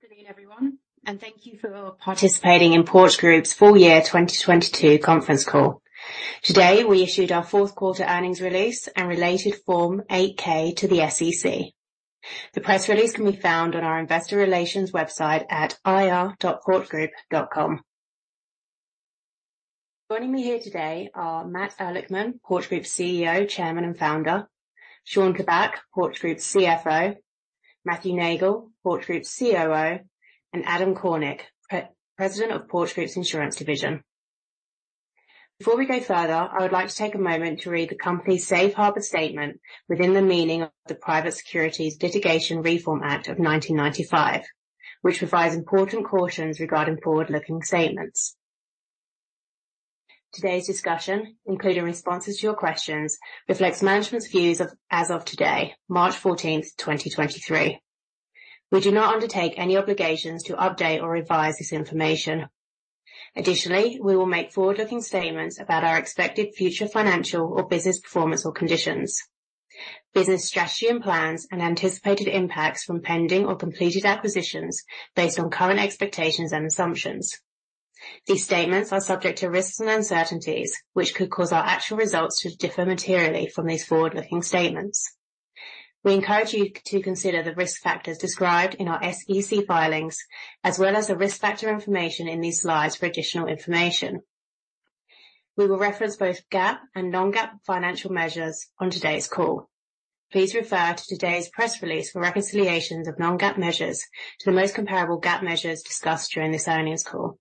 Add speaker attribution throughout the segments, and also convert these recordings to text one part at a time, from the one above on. Speaker 1: Good afternoon, everyone. Thank you for participating in Porch Group's full year 2022 conference call. Today, we issued our Q4 earnings release and related Form 8-K to the SEC. The press release can be found on our investor relations website at ir.porchgroup.com. Joining me here today are Matt Ehrlichman, Porch Group's CEO, Chairman, and Founder, Shawn Tabak, Porch Group's CFO, Matthew Neagle, Porch Group's COO, and Adam Kornick, President of Porch Group's Insurance Division. Before we go further, I would like to take a moment to read the company's Safe Harbor statement within the meaning of the Private Securities Litigation Reform Act of 1995, which provides important cautions regarding forward-looking statements. Today's discussion, including responses to your questions, reflects management's views as of today, March 14, 2023. We do not undertake any obligations to update or revise this information. Additionally, we will make forward-looking statements about our expected future financial or business performance or conditions, business strategy and plans, and anticipated impacts from pending or completed acquisitions based on current expectations and assumptions. These statements are subject to risks and uncertainties, which could cause our actual results to differ materially from these forward-looking statements. We encourage you to consider the risk factors described in our SEC filings as well as the risk factor information in these slides for additional information. We will reference both GAAP and non-GAAP financial measures on today's call. Please refer to today's press release for reconciliations of non-GAAP measures to the most comparable GAAP measures discussed during this earnings call.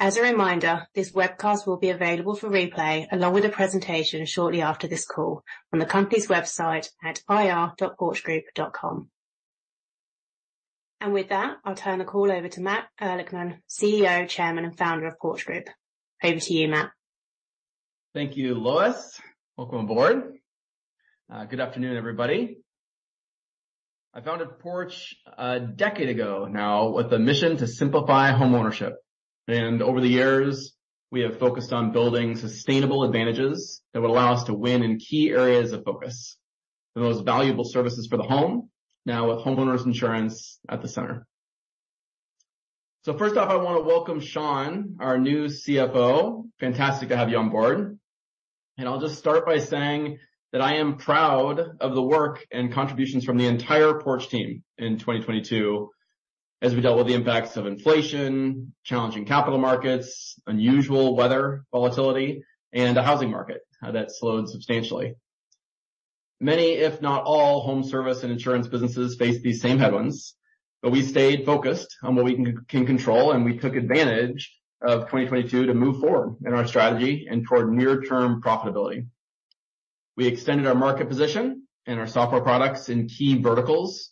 Speaker 1: As a reminder, this webcast will be available for replay along with a presentation shortly after this call on the company's website at ir.porchgroup.com. With that, I'll turn the call over to Matt Ehrlichman, CEO, Chairman, and Founder of Porch Group. Over to you, Matt.
Speaker 2: Thank you, Lois. Welcome aboard. Good afternoon, everybody. I founded Porch a decade ago now with a mission to simplify homeownership. Over the years, we have focused on building sustainable advantages that would allow us to win in key areas of focus. The most valuable services for the home, now with homeowners insurance at the center. First off, I wanna welcome Shawn, our new CFO. Fantastic to have you on board. I'll just start by saying that I am proud of the work and contributions from the entire Porch team in 2022 as we dealt with the impacts of inflation, challenging capital markets, unusual weather volatility, and a housing market that slowed substantially. Many, if not all, home service and insurance businesses faced these same headwinds, we stayed focused on what we can control, and we took advantage of 2022 to move forward in our strategy and toward near-term profitability. We extended our market position and our software products in key verticals.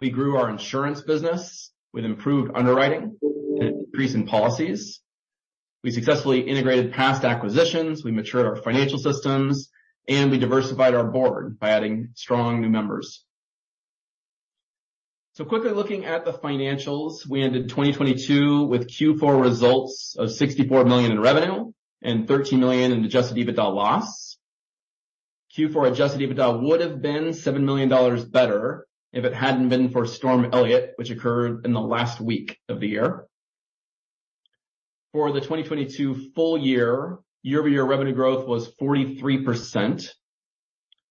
Speaker 2: We grew our insurance business with improved underwriting and increase in policies. We successfully integrated past acquisitions, we matured our financial systems, and we diversified our board by adding strong new members. Quickly looking at the financials, we ended 2022 with Q4 results of $64 million in revenue and $13 million in adjusted EBITDA loss. Q4 adjusted EBITDA would have been $7 million better if it hadn't been for Winter Storm Elliott, which occurred in the last week of the year. For the 2022 full year-over-year revenue growth was 43%.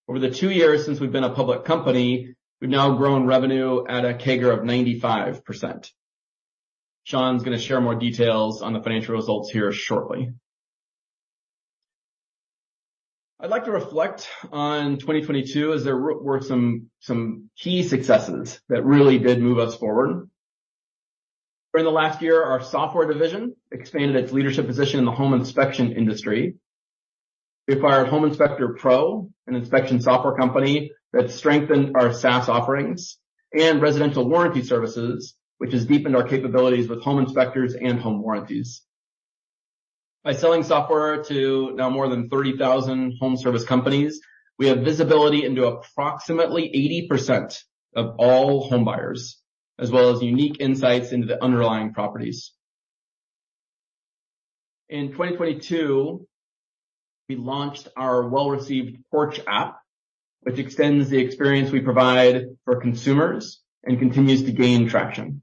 Speaker 2: Over the two years since we've been a public company, we've now grown revenue at a CAGR of 95%. Shawn's gonna share more details on the financial results here shortly. I'd like to reflect on 2022 as there were some key successes that really did move us forward. During the last year, our software division expanded its leadership position in the home inspection industry. We acquired Home Inspector Pro, an inspection software company that strengthened our SaaS offerings and residential warranty services, which has deepened our capabilities with home inspectors and home warranties. By selling software to now more than 30,000 home service companies, we have visibility into approximately 80% of all home buyers, as well as unique insights into the underlying properties. In 2022, we launched our well-received Porch app, which extends the experience we provide for consumers and continues to gain traction.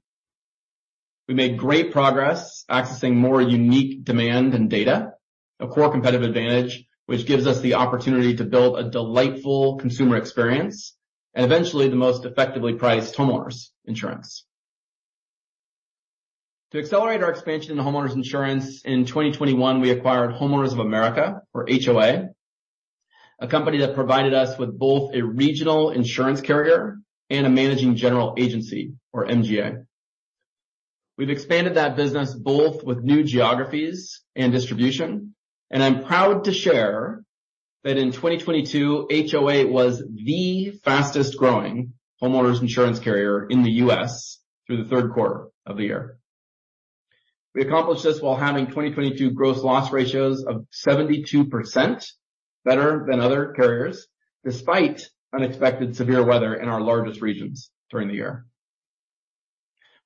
Speaker 2: We made great progress accessing more unique demand and data, a core competitive advantage, which gives us the opportunity to build a delightful consumer experience and eventually the most effectively priced homeowners insurance. To accelerate our expansion into homeowners insurance, in 2021, we acquired Homeowners of America or HOA, a company that provided us with both a regional insurance carrier and a managing general agency or MGA. We've expanded that business both with new geographies and distribution, and I'm proud to share that in 2022, HOA was the fastest-growing homeowners insurance carrier in the US through the Q3 of the year. We accomplished this while having 2022 gross loss ratios of 72% better than other carriers, despite unexpected severe weather in our largest regions during the year.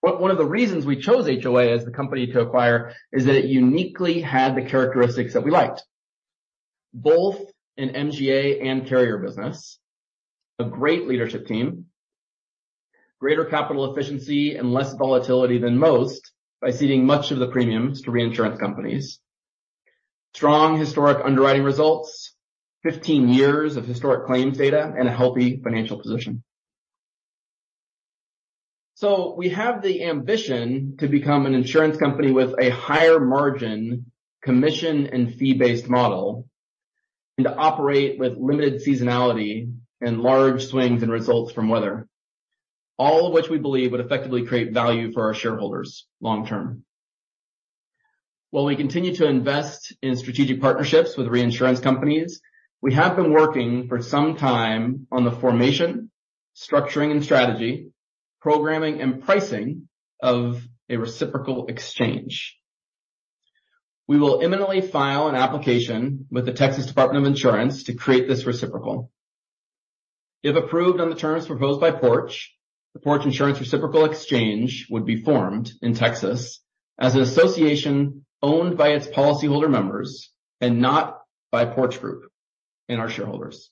Speaker 2: One of the reasons we chose HOA as the company to acquire is that it uniquely had the characteristics that we liked, both an MGA and carrier business, a great leadership team, greater capital efficiency and less volatility than most by ceding much of the premiums to reinsurance companies, strong historic underwriting results, 15 years of historic claims data, and a healthy financial position. We have the ambition to become an insurance company with a higher margin commission and fee-based model, and to operate with limited seasonality and large swings in results from weather. All of which we believe would effectively create value for our shareholders long term. While we continue to invest in strategic partnerships with reinsurance companies, we have been working for some time on the formation, structuring, and strategy, programming and pricing of a reciprocal exchange. We will imminently file an application with the Texas Department of Insurance to create this reciprocal. If approved on the terms proposed by Porch, the Porch Insurance Reciprocal Exchange would be formed in Texas as an association owned by its policyholder members and not by Porch Group and our shareholders.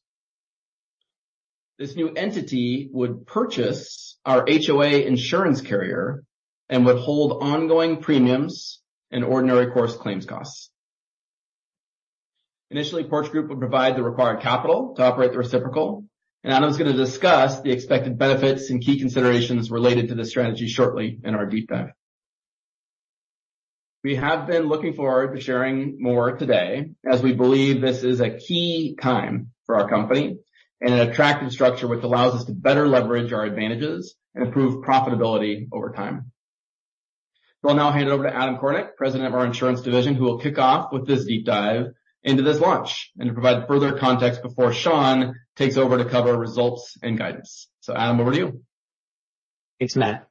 Speaker 2: This new entity would purchase our HOA insurance carrier and would hold ongoing premiums and ordinary course claims costs. Initially, Porch Group would provide the required capital to operate the reciprocal, and Adam's gonna discuss the expected benefits and key considerations related to this strategy shortly in our deep dive. We have been looking forward to sharing more today as we believe this is a key time for our company and an attractive structure which allows us to better leverage our advantages and improve profitability over time. We'll now hand it over to Adam Kornick, President of our Insurance Division, who will kick off with this deep dive into this launch and to provide further context before Shawn takes over to cover results and guidance. Adam, over to you.
Speaker 3: Thanks, Matt.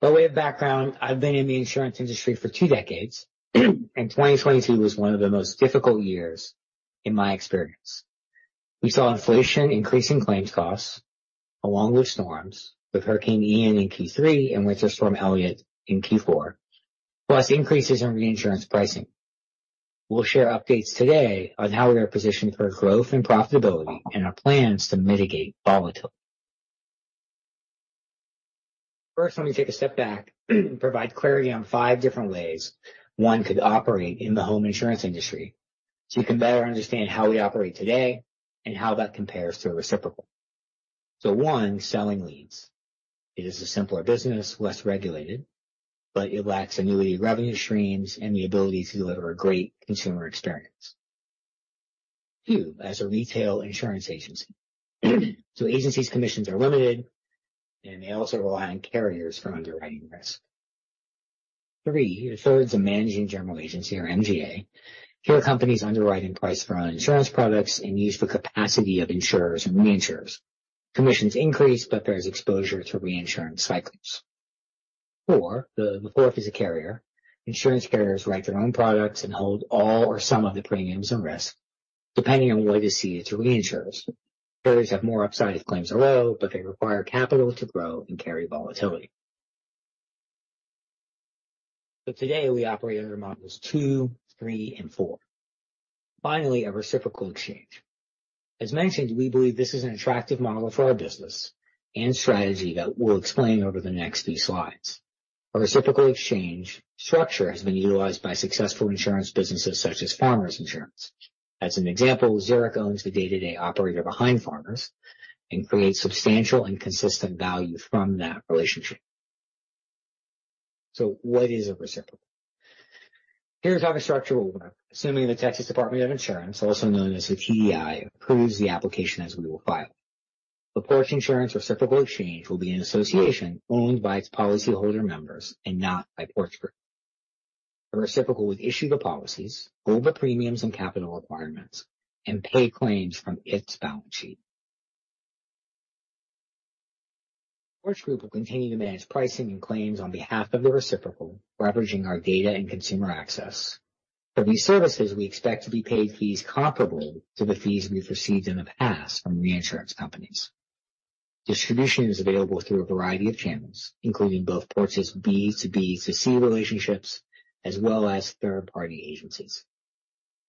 Speaker 3: By way of background, I've been in the insurance industry for two decades. 2022 was one of the most difficult years in my experience. We saw inflation increasing claims costs along with storms, with Hurricane Ian in Q3 and Winter Storm Elliott in Q4, plus increases in reinsurance pricing. We'll share updates today on how we are positioned for growth and profitability and our plans to mitigate volatility. First, let me take a step back and provide clarity on five different ways one could operate in the home insurance industry, so you can better understand how we operate today and how that compares to a reciprocal. One, selling leads. It is a simpler business, less regulated, but it lacks annuity revenue streams and the ability to deliver a great consumer experience. Two, as a retail insurance agency. Agency's commissions are limited, and they also rely on carriers for underwriting risk. three, the third is a managing general agency or MGA. Here, companies underwrite and price their own insurance products and use the capacity of insurers and reinsurers. Commissions increase, but there's exposure to reinsurance cyclings. four, the fourth is a carrier. Insurance carriers write their own products and hold all or some of the premiums and risk, depending on what is ceded to reinsurers. Carriers have more upside if claims are low, but they require capital to grow and carry volatility. Today, we operate under models two, three, and four. Finally, a reciprocal exchange. As mentioned, we believe this is an attractive model for our business and strategy that we'll explain over the next few slides. A reciprocal exchange structure has been utilized by successful insurance businesses such as Farmers Insurance. As an example, Zurich owns the day-to-day operator behind Farmers and creates substantial and consistent value from that relationship. What is a reciprocal? Here's how the structure will work, assuming the Texas Department of Insurance, also known as the TDI, approves the application as we will file. The Porch Insurance Reciprocal Exchange will be an association owned by its policyholder members and not by Porch Group. The reciprocal would issue the policies, hold the premiums and capital requirements, and pay claims from its balance sheet. Porch Group will continue to manage pricing and claims on behalf of the reciprocal, leveraging our data and consumer access. For these services, we expect to be paid fees comparable to the fees we've received in the past from reinsurance companies. Distribution is available through a variety of channels, including both Porch's B to B to C relationships as well as third-party agencies.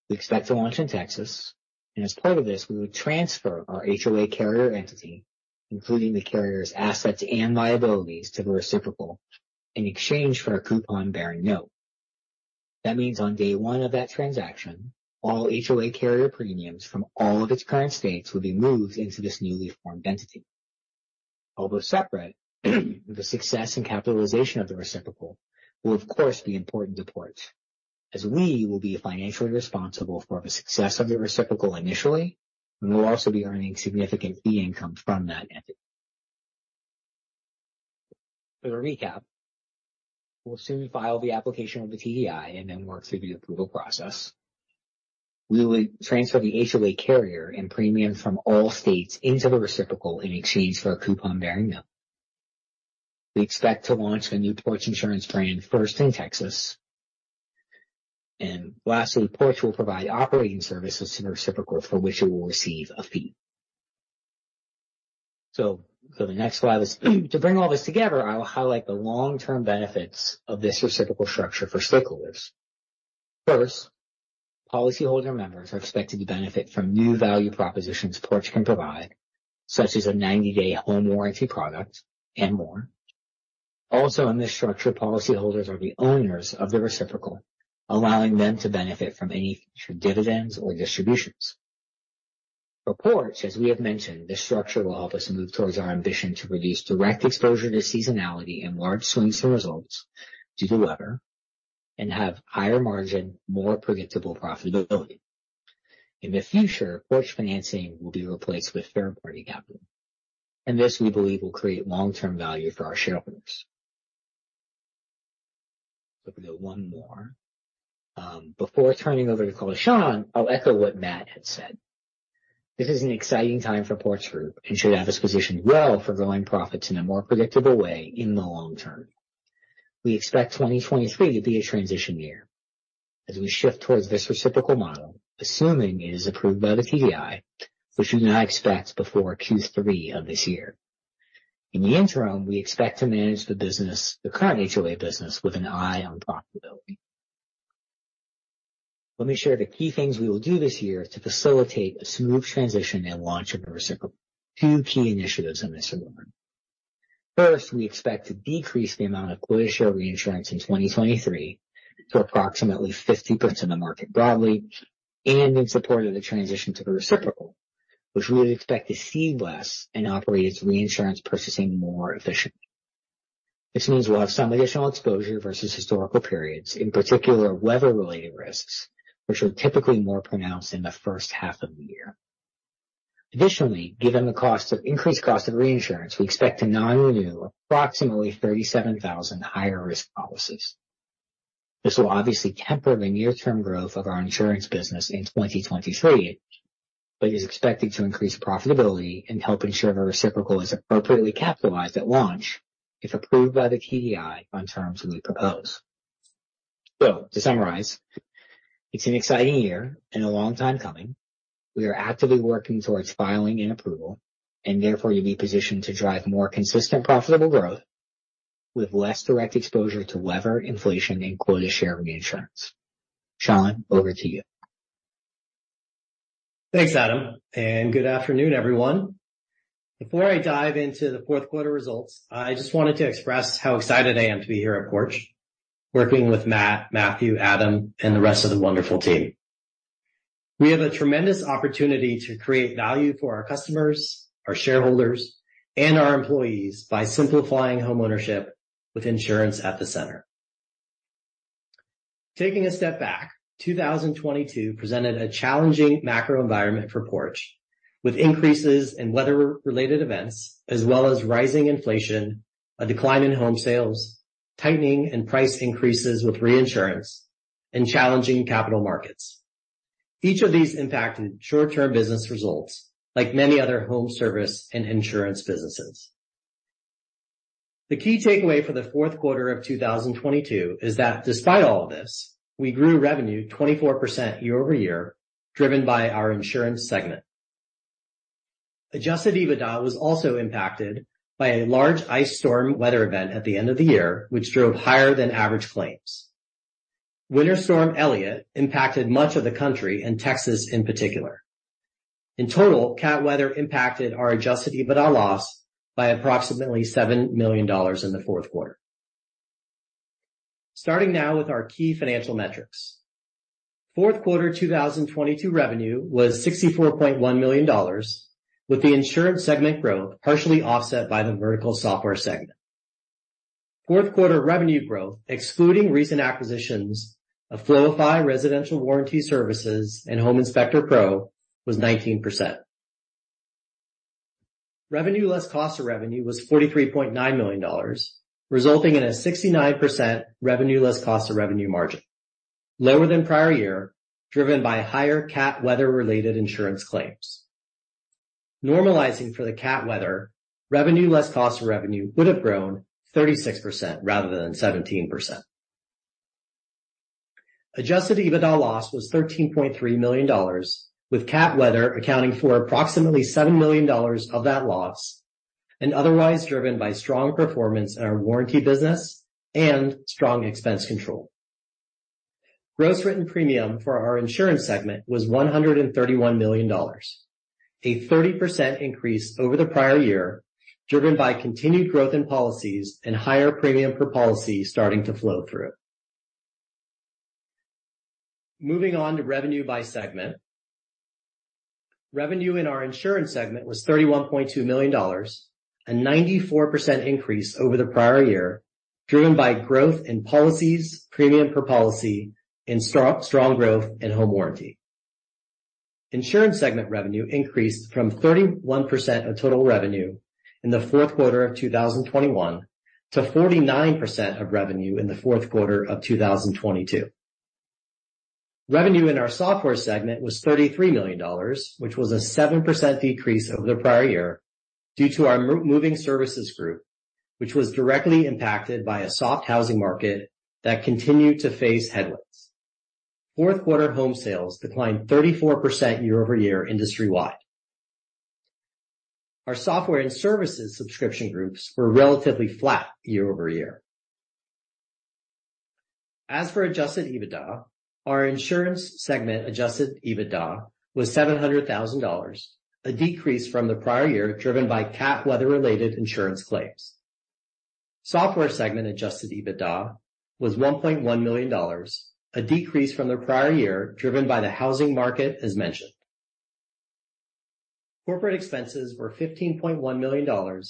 Speaker 3: We expect to launch in Texas, as part of this, we would transfer our HOA carrier entity, including the carrier's assets and liabilities, to the reciprocal in exchange for a coupon-bearing note. That means on day one of that transaction, all HOA carrier premiums from all of its current states will be moved into this newly formed entity. Although separate, the success and capitalization of the reciprocal will of course be important to Porch, as we will be financially responsible for the success of the reciprocal initially, and we'll also be earning significant fee income from that entity. To recap, we'll soon file the application with the TDI and work through the approval process. We will transfer the HOA carrier and premium from all states into the reciprocal in exchange for a coupon-bearing note. We expect to launch the new Porch Insurance brand first in Texas. Lastly, Porch will provide operating services to the reciprocal for which it will receive a fee. For the next slide, to bring all this together, I will highlight the long-term benefits of this reciprocal structure for stakeholders. First, policyholder members are expected to benefit from new value propositions Porch can provide, such as a ninety-day home warranty product and more. Also, in this structure, policyholders are the owners of the reciprocal, allowing them to benefit from any future dividends or distributions. For Porch, as we have mentioned, this structure will help us move towards our ambition to reduce direct exposure to seasonality and large swings in results due to weather and have higher margin, more predictable profitability. In the future, Porch financing will be replaced with third-party capital, and this, we believe, will create long-term value for our shareholders. We go one more. Before turning over to Shawn, I'll echo what Matt had said. This is an exciting time for Porch Group and should have us positioned well for growing profits in a more predictable way in the long term. We expect 2023 to be a transition year as we shift towards this reciprocal model, assuming it is approved by the TDI, which we now expect before Q3 of this year. In the interim, we expect to manage the business, the current HOA business with an eye on profitability. Let me share the key things we will do this year to facilitate a smooth transition and launch of the reciprocal. Two key initiatives on this one. We expect to decrease the amount of quota share reinsurance in 2023 to approximately 50% of the market broadly and in support of the transition to the reciprocal, which we would expect to see less and operate its reinsurance purchasing more efficiently. This means we'll have some additional exposure versus historical periods, in particular, weather-related risks, which are typically more pronounced in the first half of the year. Given the increased cost of reinsurance, we expect to non-renew approximately 37,000 higher risk policies. This will obviously temper the near-term growth of our insurance business in 2023, but is expected to increase profitability and help ensure the reciprocal is appropriately capitalized at launch if approved by the TDI on terms that we propose. To summarize, it's an exciting year and a long time coming. We are actively working towards filing and approval and therefore you'll be positioned to drive more consistent, profitable growth with less direct exposure to labor inflation and quota share reinsurance. Shawn, over to you.
Speaker 4: Thanks, Adam, good afternoon, everyone. Before I dive into the Q4 results, I just wanted to express how excited I am to be here at Porch, working with Matt, Matthew, Adam, and the rest of the wonderful team. We have a tremendous opportunity to create value for our customers, our shareholders, and our employees by simplifying homeownership with insurance at the center. Taking a step back, 2022 presented a challenging macro environment for Porch with increases in weather-related events as well as rising inflation, a decline in home sales, tightening and price increases with reinsurance, and challenging capital markets. Each of these impacted short-term business results like many other home service and insurance businesses. The key takeaway for the Q4 of 2022 is that despite all of this, we grew revenue 24% year-over-year, driven by our insurance segment. Adjusted EBITDA was also impacted by a large ice storm weather event at the end of the year, which drove higher than average claims. Winter Storm Elliott impacted much of the country and Texas in particular. In total, cat weather impacted our adjusted EBITDA loss by approximately $7 million in the Q4. Starting now with our key financial metrics. Q4 2022 revenue was $64.1 million, with the insurance segment growth partially offset by the vertical software segment. Q4 revenue growth, excluding recent acquisitions of Floify Residential Warranty Services and Home Inspector Pro, was 19%. Revenue less cost of revenue was $43.9 million, resulting in a 69% revenue less cost of revenue margin, lower than prior year, driven by higher cat weather-related insurance claims. Normalizing for the cat weather, revenue less cost of revenue would have grown 36% rather than 17%. Adjusted EBITDA loss was $13.3 million, with cat weather accounting for approximately $7 million of that loss and otherwise driven by strong performance in our warranty business and strong expense control. Gross written premium for our Insurance segment was $131 million, a 30% increase over the prior year, driven by continued growth in policies and higher premium per policy starting to flow through. Moving on to revenue by segment. Revenue in our Insurance segment was $31.2 million, a 94% increase over the prior year, driven by growth in policies, premium per policy, and strong growth in home warranty. Insurance segment revenue increased from 31% of total revenue in the Q4 of 2021 to 49% of revenue in the Q4 of 2022. Revenue in our software segment was $33 million, which was a 7% decrease over the prior year. Due to our moving services group, which was directly impacted by a soft housing market that continued to face headwinds. Q4 home sales declined 34% year-over-year industry-wide. Our software and services subscription groups were relatively flat year-over-year. As for adjusted EBITDA, our insurance segment adjusted EBITDA was $700,000, a decrease from the prior year, driven by cat weather-related insurance claims. Software segment adjusted EBITDA was $1.1 million, a decrease from the prior year, driven by the housing market, as mentioned. Corporate expenses were $15.1 million,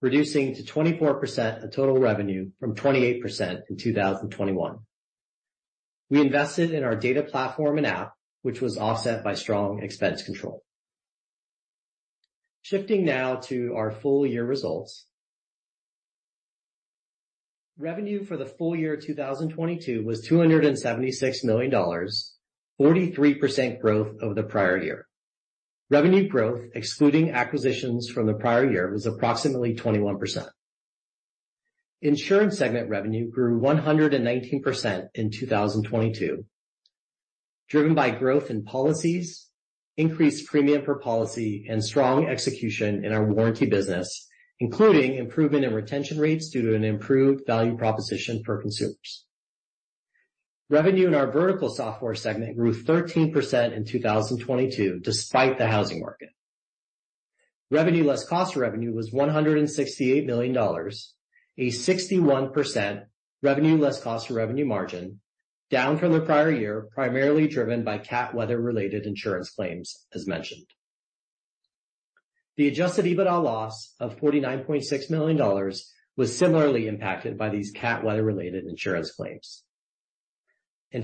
Speaker 4: reducing to 24% of total revenue from 28% in 2021. We invested in our data platform and app, which was offset by strong expense control. Shifting now to our full year results. Revenue for the full year 2022 was $276 million, 43% growth over the prior year. Revenue growth, excluding acquisitions from the prior year, was approximately 21%. Insurance segment revenue grew 119% in 2022, driven by growth in policies, increased premium per policy, and strong execution in our warranty business, including improvement in retention rates due to an improved value proposition for consumers. Revenue in our vertical software segment grew 13% in 2022 despite the housing market. Revenue less cost of revenue was $168 million, a 61% revenue less cost of revenue margin, down from the prior year, primarily driven by cat weather-related insurance claims, as mentioned. The adjusted EBITDA loss of $49.6 million was similarly impacted by these cat weather-related insurance claims.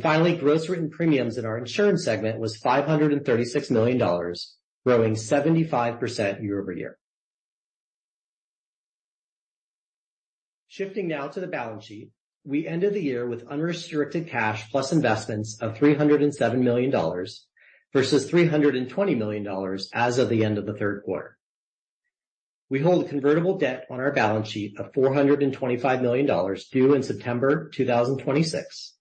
Speaker 4: Finally, gross written premiums in our insurance segment was $536 million, growing 75% year-over-year. Shifting now to the balance sheet. We ended the year with unrestricted cash plus investments of $307 million, versus $320 million as of the end of the Q4. We hold convertible debt on our balance sheet of $425 million due in September 2026.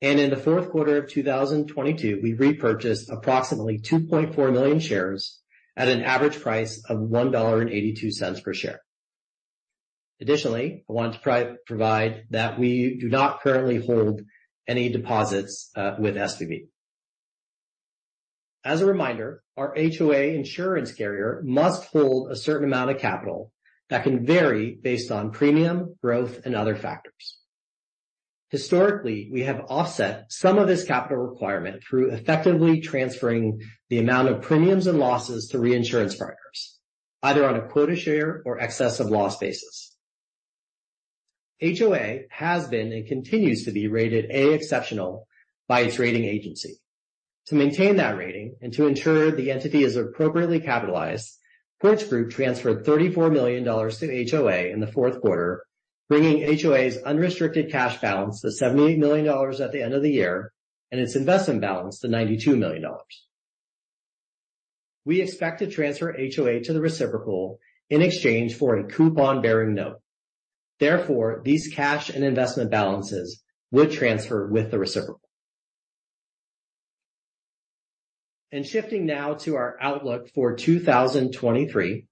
Speaker 4: In the Q4 of 2022, we repurchased approximately 2.4 million shares at an average price of $1.82 per share. Additionally, I want to provide that we do not currently hold any deposits with SVB. As a reminder, our HOA insurance carrier must hold a certain amount of capital that can vary based on premium, growth, and other factors. Historically, we have offset some of this capital requirement through effectively transferring the amount of premiums and losses to reinsurance partners, either on a quota share or excess of loss basis. HOA has been and continues to be rated A, Exceptional by its rating agency. To maintain that rating and to ensure the entity is appropriately capitalized, Porch Group transferred $34 million to HOA in the Q4, bringing HOA's unrestricted cash balance to $78 million at the end of the year and its investment balance to $92 million. We expect to transfer HOA to the reciprocal in exchange for a coupon-bearing note. These cash and investment balances would transfer with the reciprocal. Shifting now to our outlook for 2023.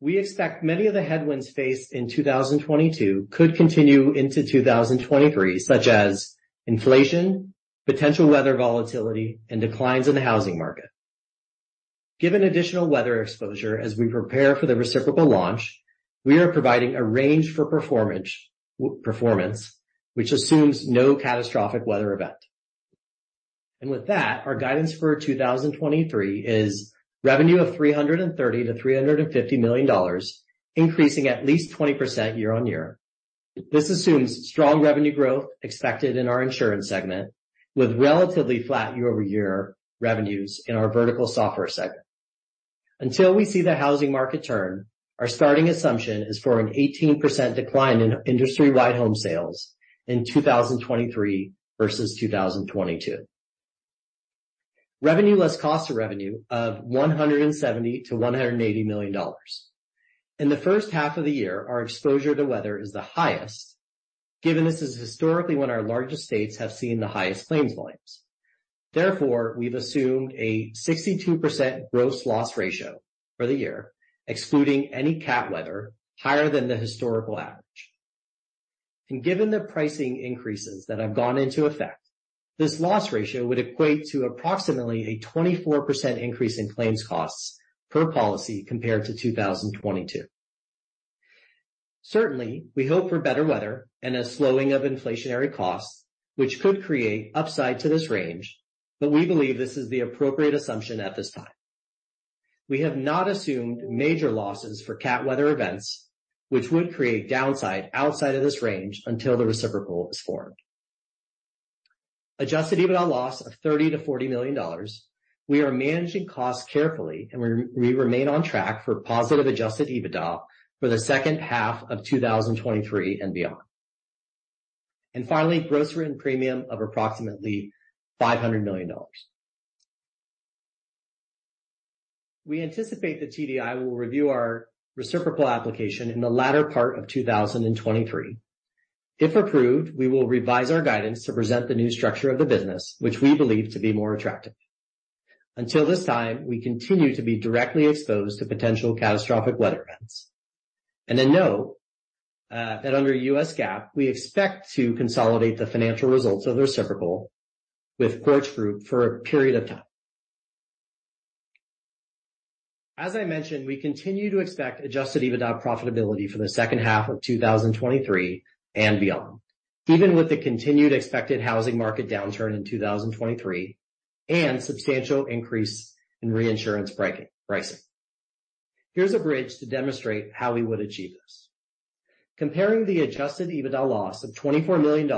Speaker 4: We expect many of the headwinds faced in 2022 could continue into 2023, such as inflation, potential weather volatility, and declines in the housing market. Given additional weather exposure as we prepare for the reciprocal launch, we are providing a range for performance, which assumes no catastrophic weather event. With that, our guidance for 2023 is revenue of $330 million-$350 million, increasing at least 20% year-on-year. This assumes strong revenue growth expected in our insurance segment, with relatively flat year-over-year revenues in our vertical software segment. Until we see the housing market turn, our starting assumption is for an 18% decline in industry-wide home sales in 2023 versus 2022. Revenue less cost of revenue of $170 million-$180 million. In the first half of the year, our exposure to weather is the highest, given this is historically when our largest states have seen the highest claims volumes. Therefore, we've assumed a 62% gross loss ratio for the year, excluding any cat weather higher than the historical average. Given the pricing increases that have gone into effect, this loss ratio would equate to approximately a 24% increase in claims costs per policy compared to 2022. Certainly, we hope for better weather and a slowing of inflationary costs, which could create upside to this range, but we believe this is the appropriate assumption at this time. We have not assumed major losses for cat weather events, which would create downside outside of this range until the reciprocal is formed. Adjusted EBITDA loss of $30 million-$40 million. We are managing costs carefully and we remain on track for positive adjusted EBITDA for the second half of 2023 and beyond. Finally, gross written premium of approximately $500 million. We anticipate that TDI will review our reciprocal application in the latter part of 2023. If approved, we will revise our guidance to present the new structure of the business, which we believe to be more attractive. Until this time, we continue to be directly exposed to potential catastrophic weather events. Note that under US GAAP, we expect to consolidate the financial results of the reciprocal with Porch Group for a period of time. As I mentioned, we continue to expect adjusted EBITDA profitability for the second half of 2023 and beyond, even with the continued expected housing market downturn in 2023 and substantial increase in reinsurance breakin-pricing. Here's a bridge to demonstrate how we would achieve this. Comparing the adjusted EBITDA loss of $24 million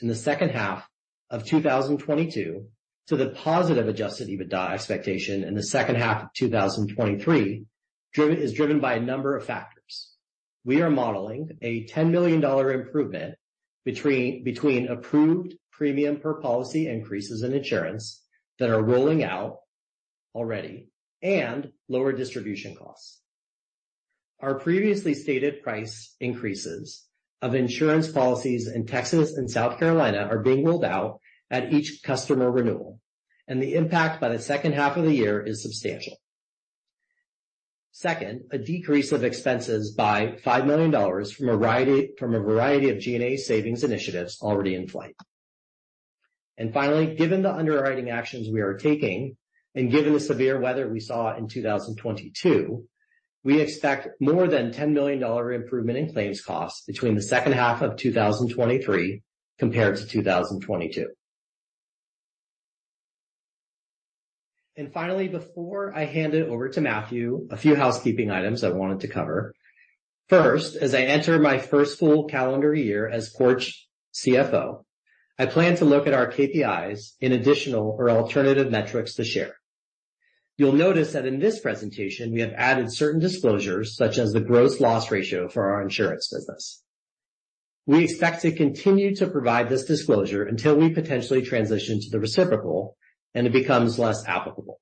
Speaker 4: in the second half of 2022 to the positive adjusted EBITDA expectation in the second half of 2023, driven... is driven by a number of factors. We are modeling a $10 million improvement between approved premium per policy increases in insurance that are rolling out already and lower distribution costs. Our previously stated price increases of insurance policies in Texas and South Carolina are being rolled out at each customer renewal, and the impact by the second half of the year is substantial. Second, a decrease of expenses by $5 million from a variety of G&A savings initiatives already in flight. Finally, given the underwriting actions we are taking and given the severe weather we saw in 2022, we expect more than $10 million improvement in claims costs between the second half of 2023 compared to 2022. Finally, before I hand it over to Matthew, a few housekeeping items I wanted to cover. First, as I enter my first full calendar year as Porch CFO, I plan to look at our KPIs in additional or alternative metrics to share. You'll notice that in this presentation we have added certain disclosures such as the gross loss ratio for our insurance business. We expect to continue to provide this disclosure until we potentially transition to the reciprocal, and it becomes less applicable.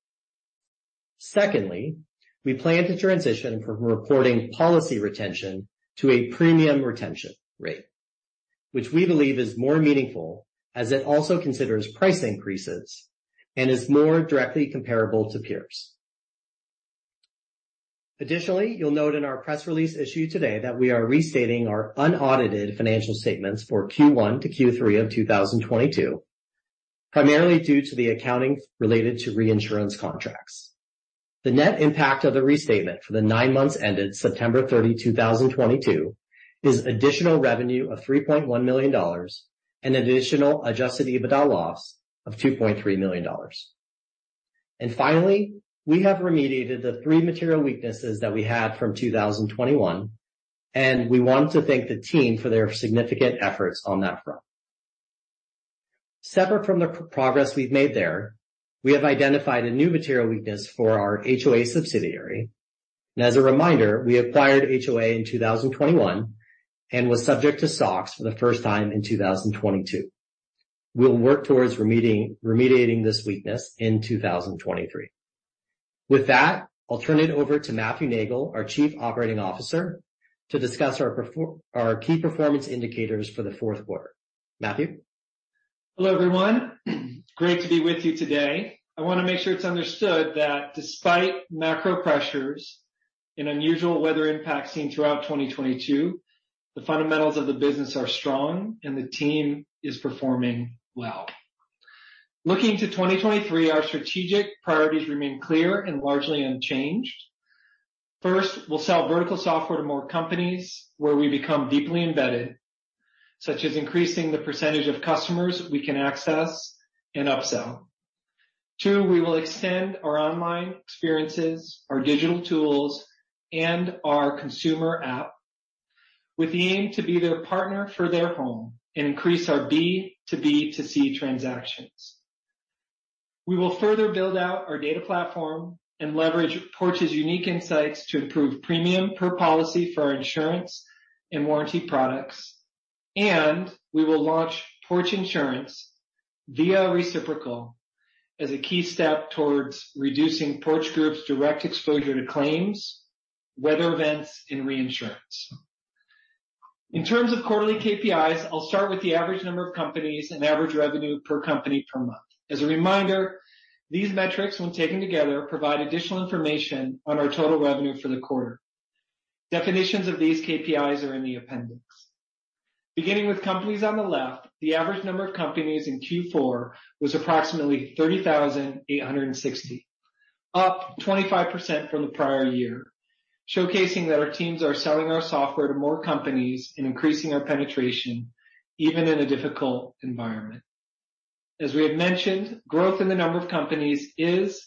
Speaker 4: Secondly, we plan to transition from reporting policy retention to a premium retention rate, which we believe is more meaningful as it also considers price increases and is more directly comparable to peers. Additionally, you'll note in our press release issued today that we are restating our unaudited financial statements for Q1 to Q3 of 2022, primarily due to the accounting related to reinsurance contracts. The net impact of the restatement for the nine months ended September 30, 2022, is additional revenue of $3.1 million and additional adjusted EBITDA loss of $2.3 million. Finally, we have remediated the three material weaknesses that we had from 2021, and we want to thank the team for their significant efforts on that front. Separate from the progress we've made there, we have identified a new material weakness for our HOA subsidiary. As a reminder, we acquired HOA in 2021 and was subject to SOX for the first time in 2022. We'll work towards remediating this weakness in 2023. With that, I'll turn it over to Matthew Neagle, our Chief Operating Officer, to discuss our key performance indicators for the Q4. Matthew.
Speaker 5: Hello, everyone. Great to be with you today. I wanna make sure it's understood that despite macro pressures and unusual weather impacts seen throughout 2022, the fundamentals of the business are strong, the team is performing well. Looking to 2023, our strategic priorities remain clear and largely unchanged. First, we'll sell vertical software to more companies where we become deeply embedded, such as increasing the % of customers we can access and upsell. Two, we will extend our online experiences, our digital tools, and our consumer app with the aim to be their partner for their home and increase our B2B2C transactions. We will further build out our data platform and leverage Porch's unique insights to improve premium per policy for our insurance and warranty products. We will launch Porch Insurance via Reciprocal as a key step towards reducing Porch Group's direct exposure to claims, weather events, and reinsurance. In terms of quarterly KPIs, I'll start with the average number of companies and average revenue per company per month. As a reminder, these metrics, when taken together, provide additional information on our total revenue for the quarter. Definitions of these KPIs are in the appendix. Beginning with companies on the left, the average number of companies in Q4 was approximately 30,860, up 25% from the prior year, showcasing that our teams are selling our software to more companies and increasing our penetration even in a difficult environment. As we have mentioned, growth in the number of companies is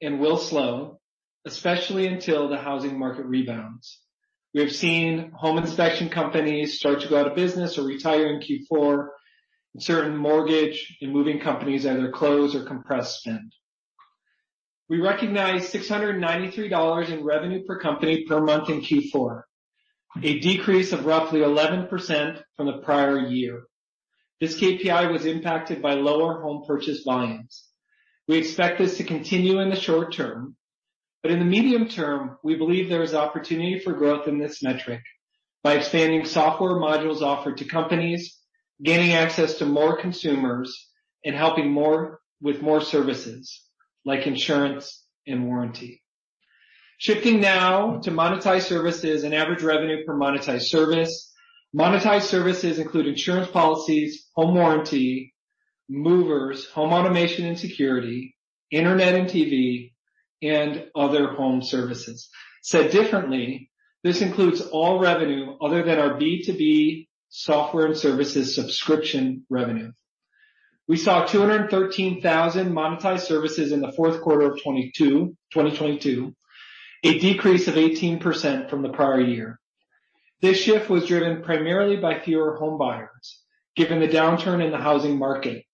Speaker 5: and will slow, especially until the housing market rebounds. We have seen home inspection companies start to go out of business or retire in Q4, and certain mortgage and moving companies either close or compress spend. We recognized $693 in revenue per company per month in Q4, a decrease of roughly 11% from the prior year. This KPI was impacted by lower home purchase volumes. We expect this to continue in the short term, but in the medium term, we believe there is opportunity for growth in this metric by expanding software modules offered to companies, gaining access to more consumers, and helping more with more services like insurance and warranty. Shifting now to monetized services and average revenue per monetized service. Monetized services include insurance policies, home warranty, movers, home automation and security, internet and TV, and other home services. Said differently, this includes all revenue other than our B2B software and services subscription revenue. We saw 213,000 monetized services in the Q4 of 2022, a decrease of 18% from the prior year. This shift was driven primarily by fewer home buyers, given the downturn in the housing market,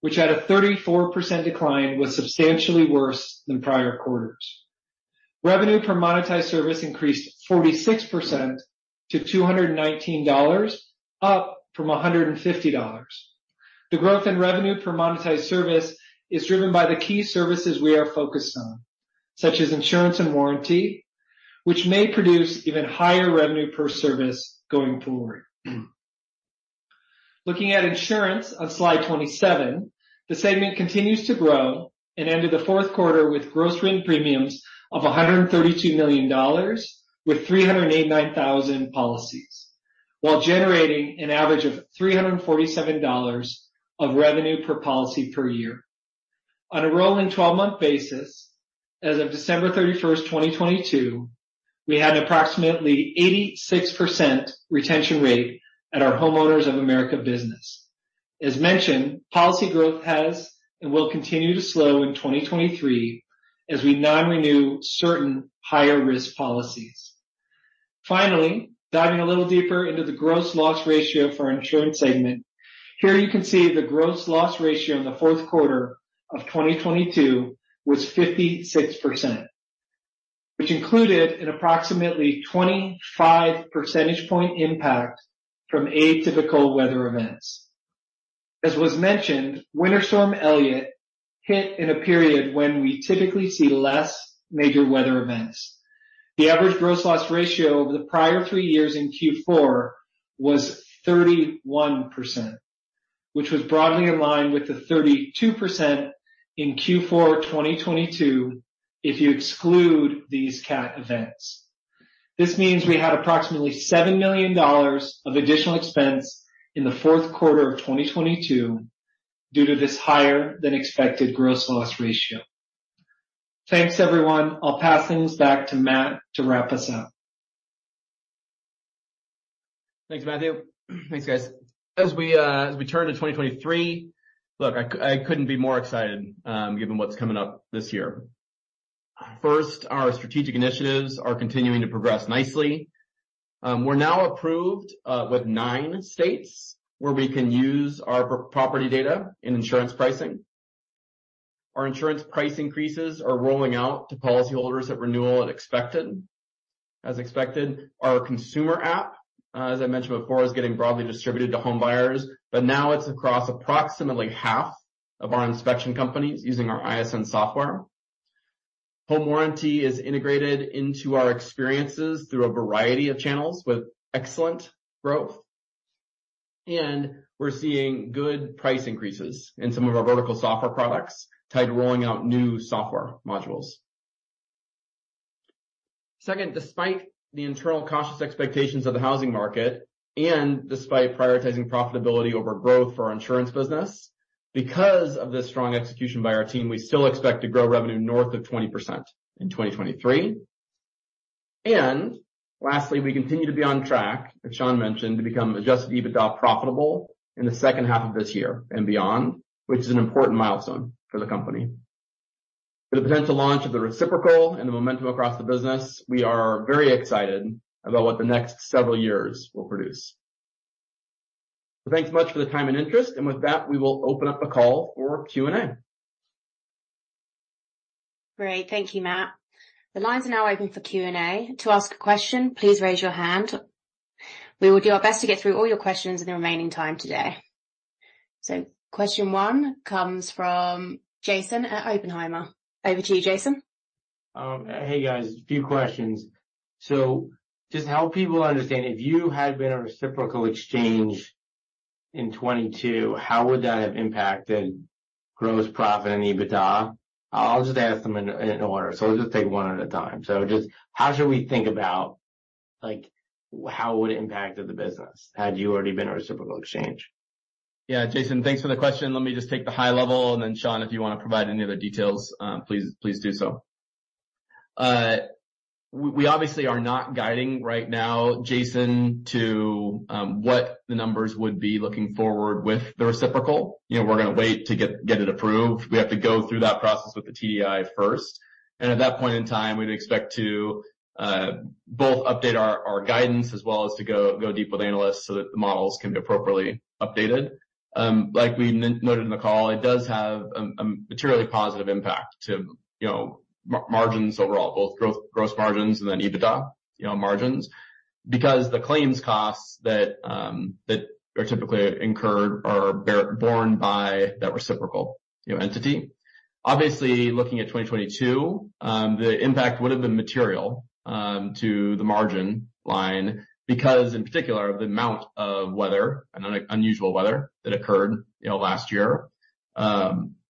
Speaker 5: which had a 34% decline, was substantially worse than prior quarters. Revenue per monetized service increased 46% to $219, up from $150. The growth in revenue per monetized service is driven by the key services we are focused on, such as insurance and warranty, which may produce even higher revenue per service going forward. Looking at insurance on slide 27, the segment continues to grow and ended the Q4 with gross written premiums of $132 million, with 389,000 policies, while generating an average of $347 of revenue per policy per year. On a rolling 12-month basis, as of December 31, 2022, we had approximately 86% retention rate at our Homeowners of America business. As mentioned, policy growth has and will continue to slow in 2023 as we non-renew certain higher-risk policies. Finally, diving a little deeper into the gross loss ratio for our insurance segment. Here you can see the gross loss ratio in the Q4 of 2022 was 56%, which included an approximately 25 percentage point impact from atypical weather events. As was mentioned, Winter Storm Elliott hit in a period when we typically see less major weather events. The average gross loss ratio over the prior three years in Q4 was 31%, which was broadly in line with the 32% in Q4 2022 if you exclude these CAT events. This means we had approximately $7 million of additional expense in the Q4 of 2022 due to this higher than expected gross loss ratio. Thanks, everyone. I'll pass things back to Matt to wrap us up.
Speaker 2: Thanks, Matthew. Thanks, guys. As we turn to 2023, look, I couldn't be more excited, given what's coming up this year. First, our strategic initiatives are continuing to progress nicely. We're now approved with 9 states where we can use our property data in insurance pricing. Our insurance price increases are rolling out to policyholders at renewal and expected, as expected. Our consumer app, as I mentioned before, is getting broadly distributed to home buyers, but now it's across approximately half of our inspection companies using our ISN software. Home warranty is integrated into our experiences through a variety of channels with excellent growth. We're seeing good price increases in some of our vertical software products tied to rolling out new software modules. Second, despite the internal cautious expectations of the housing market, and despite prioritizing profitability over growth for our insurance business, because of the strong execution by our team, we still expect to grow revenue north of 20% in 2023. Lastly, we continue to be on track, as Sean mentioned, to become adjusted EBITDA profitable in the second half of this year and beyond, which is an important milestone for the company. For the potential launch of the reciprocal and the momentum across the business, we are very excited about what the next several years will produce. Thanks much for the time and interest. With that, we will open up the call for Q&A.
Speaker 1: Great. Thank you, Matt. The lines are now open for Q&A. To ask a question, please raise your hand. We will do our best to get through all your questions in the remaining time today. Question one comes from Jason at Oppenheimer. Over to you, Jason.
Speaker 6: Hey, guys, a few questions. Just to help people understand, if you had been a reciprocal exchange in 22, how would that have impacted gross profit and EBITDA? I'll just ask them in order, so we'll just take one at a time. Just how should we think about, like how would it impacted the business had you already been a reciprocal exchange?
Speaker 2: Yeah, Jason, thanks for the question. Let me just take the high level and then, Sean, if you wanna provide any other details, please do so. We obviously are not guiding right now, Jason, to what the numbers would be looking forward with the reciprocal. You know, we're gonna wait to get it approved. We have to go through that process with the TDI first. At that point in time, we'd expect to both update our guidance as well as to go deep with analysts so that the models can be appropriately updated. Like we noted in the call, it does have materially positive impact to, you know, margins overall, both gross margins and then EBITDA, you know, margins. The claims costs that are typically incurred are borne by that reciprocal, you know, entity. Obviously, looking at 2022, the impact would have been material, to the margin line because in particular of the amount of weather, unusual weather that occurred, you know, last year.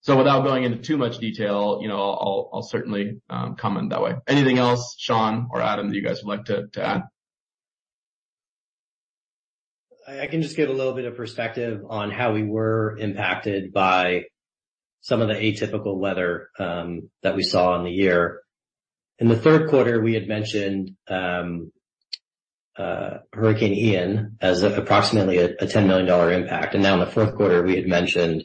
Speaker 2: So without going into too much detail, you know, I'll certainly, comment that way. Anything else, Sean or Adam, that you guys would like to add?
Speaker 4: I can just give a little bit of perspective on how we were impacted by some of the atypical weather that we saw in the year. In the Q4, we had mentioned Hurricane Ian as approximately a $10 million impact. Now in the Q4,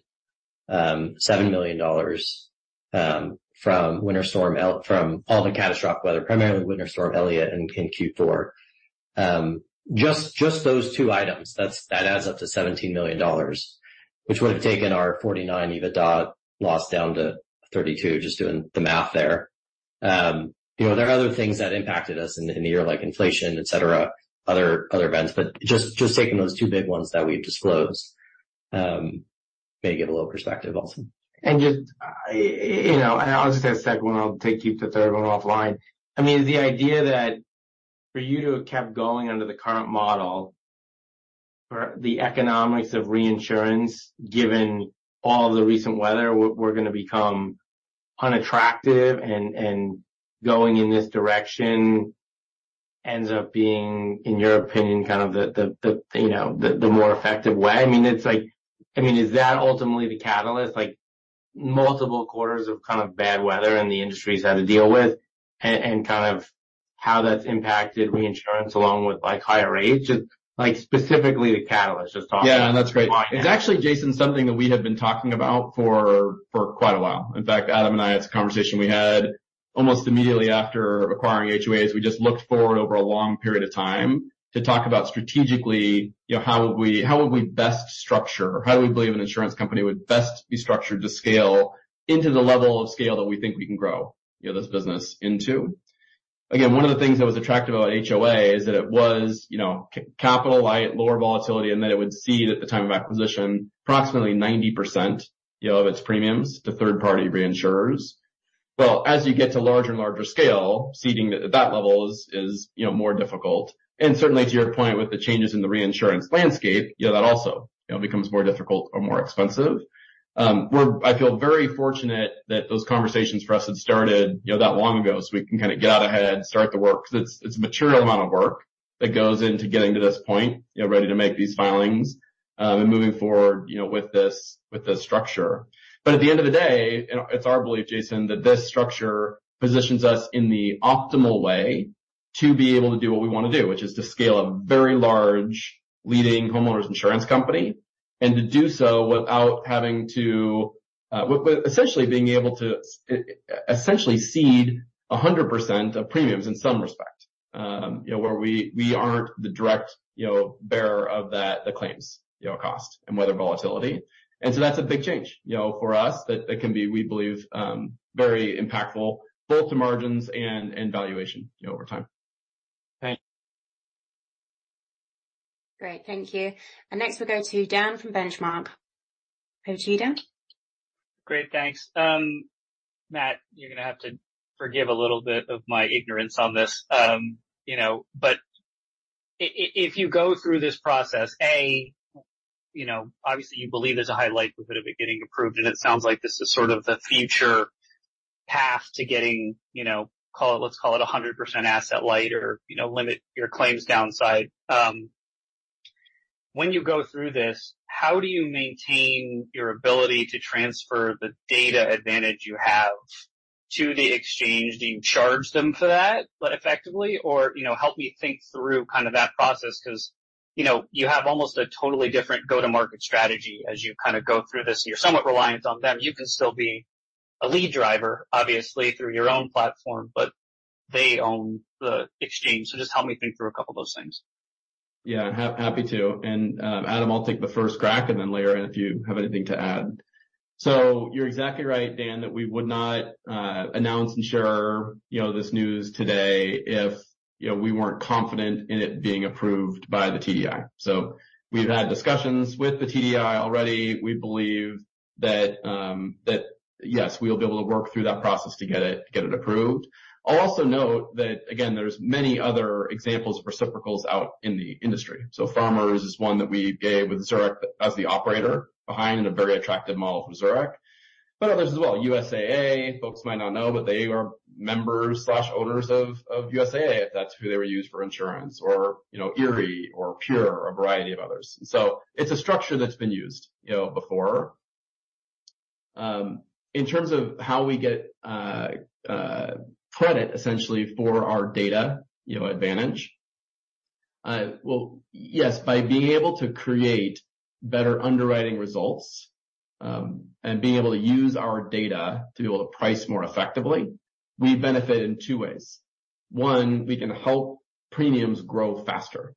Speaker 4: we had mentioned $7 million from all the catastrophic weather, primarily Winter Storm Elliott in Q4. Just those two items, that adds up to $17 million, which would have taken our $49 EBITDA loss down to $32. Just doing the math there. You know, there are other things that impacted us in the year, like inflation, et cetera, other events, but just taking those two big ones that we've disclosed, may give a little perspective also.
Speaker 6: Just, you know, I'll just say a second one, I'll take you to the third one offline. Is the idea that for you to have kept going under the current model for the economics of reinsurance, given all the recent weather, we're gonna become unattractive and going in this direction ends up being, in your opinion, kind of the, you know, the more effective way? Is that ultimately the catalyst? Multiple quarters of kind of bad weather and the industries had to deal with and kind of how that's impacted reinsurance along with like higher rates? Specifically the catalyst?
Speaker 2: Yeah, that's great. It's actually, Jason, something that we have been talking about for quite a while. In fact, Adam and I, it's a conversation we had almost immediately after acquiring HOA. We just looked forward over a long period of time to talk about strategically, you know, how would we best structure or how do we believe an insurance company would best be structured to scale into the level of scale that we think we can grow, you know, this business into. Again, one of the things that was attractive about HOA is that it was, you know, capital light, lower volatility, and that it would cede at the time of acquisition, approximately 90%, you know, of its premiums to third-party reinsurers. Well, as you get to larger and larger scale, ceding at that level is, you know, more difficult. Certainly, to your point, with the changes in the reinsurance landscape, you know, that also, you know, becomes more difficult or more expensive. I feel very fortunate that those conversations for us had started, you know, that long ago, so we can kinda get out ahead, start the work, because it's a material amount of work that goes into getting to this point, you know, ready to make these filings, and moving forward, you know, with this structure. At the end of the day, and it's our belief, Jason, that this structure positions us in the optimal way to be able to do what we wanna do, which is to scale a very large leading homeowners insurance company, and to do so without having to with essentially being able to essentially cede 100% of premiums in some respect. You know, where we aren't the direct, you know, bearer of that, the claims, you know, cost and weather volatility. That's a big change, you know, for us that can be, we believe, very impactful both to margins and valuation, you know, over time.
Speaker 6: Thanks.
Speaker 1: Great. Thank you. Next we'll go to Dan from Benchmark. Go to you, Dan.
Speaker 7: Great, thanks. Matt, you're gonna have to forgive a little bit of my ignorance on this. You know, if you go through this process, A, you know, obviously you believe there's a high likelihood of it getting approved, and it sounds like this is sort of the future path to getting, you know, call it, let's call it 100% asset light or, you know, limit your claims downside. When you go through this, how do you maintain your ability to transfer the data advantage you have to the exchange? Do you charge them for that, but effectively? You know, help me think through kind of that process because, you know, you have almost a totally different go-to-market strategy as you kind of go through this. You're somewhat reliant on them. You can still be a lead driver, obviously, through your own platform, but they own the exchange. Just help me think through a couple of those things.
Speaker 2: Yeah, happy to. Adam, I'll take the first crack and then layer in if you have anything to add. You're exactly right, Dan, that we would not announce and share, you know, this news today if, you know, we weren't confident in it being approved by the TDI. We've had discussions with the TDI already. We believe that, yes, we'll be able to work through that process to get it approved. I'll also note that, again, there's many other examples of reciprocals out in the industry. Farmers is one that we gave with Zurich as the operator behind, and a very attractive model from Zurich. Others as well. USAA, folks might not know, but they are members/owners of USAA, if that's who they were used for insurance. You know, Erie or PURE, a variety of others. It's a structure that's been used, you know, before. In terms of how we get credit essentially for our data, you know, advantage. Well, yes, by being able to create better underwriting results. And being able to use our data to be able to price more effectively, we benefit in two ways. One, we can help premiums grow faster,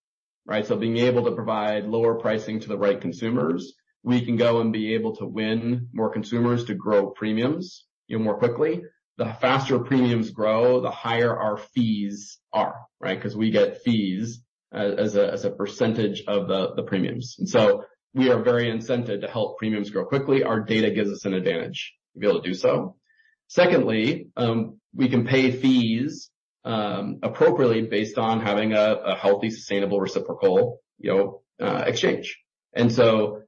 Speaker 2: right? Being able to provide lower pricing to the right consumers, we can go and be able to win more consumers to grow premiums even more quickly. The faster premiums grow, the higher our fees are, right? Because we get fees as a percentage of the premiums. We are very incented to help premiums grow quickly. Our data gives us an advantage to be able to do so. Secondly, we can pay fees appropriately based on having a healthy, sustainable, reciprocal, you know, exchange.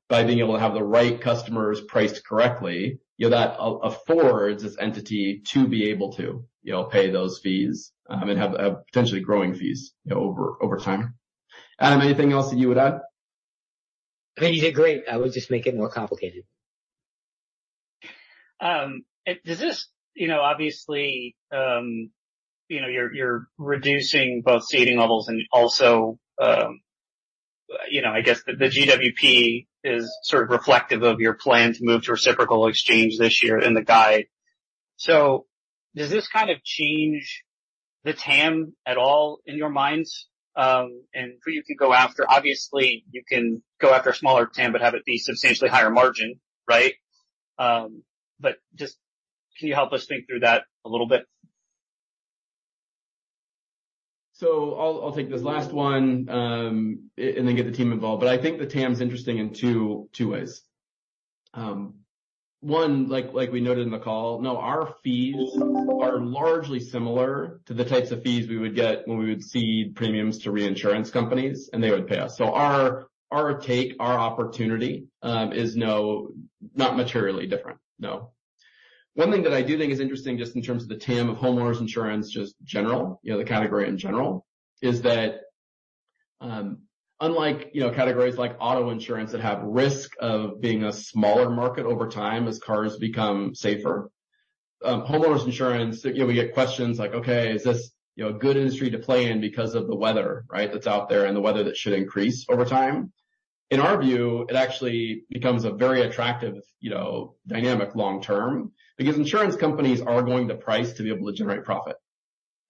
Speaker 2: By being able to have the right customers priced correctly, you know, that affords this entity to be able to, you know, pay those fees and have potentially growing fees, you know, over time. Adam, anything else that you would add?
Speaker 3: I think you did great. I would just make it more complicated.
Speaker 7: You know, obviously, you know, you're reducing both ceding levels and also, you know, I guess the GWP is sort of reflective of your plan to move to reciprocal exchange this year in the guide. Does this kind of change the TAM at all in your minds and who you can go after? Obviously, you can go after a smaller TAM, but have it be substantially higher margin, right? Just can you help us think through that a little bit?
Speaker 2: I'll take this last one, and then get the team involved. I think the TAM is interesting in two ways. One, like we noted in the call. Our fees are largely similar to the types of fees we would get when we would cede premiums to reinsurance companies, and they would pay us. Our take, our opportunity, is not materially different. One thing that I do think is interesting, just in terms of the TAM of homeowners insurance, just general, you know, the category in general, is that, unlike, you know, categories like auto insurance that have risk of being a smaller market over time as cars become safer, homeowners insurance, you know, we get questions like, "Okay, is this, you know, a good industry to play in because of the weather, right, that's out there and the weather that should increase over time?" In our view, it actually becomes a very attractive, you know, dynamic long term because insurance companies are going to price to be able to generate profit.